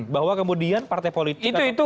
bahwa kemudian partai politik